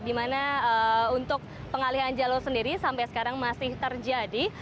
di mana untuk pengalihan jalur sendiri sampai sekarang masih terjadi